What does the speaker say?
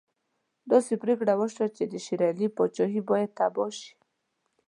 داسې پرېکړه وشوه چې د شېر علي پاچهي باید تباه شي.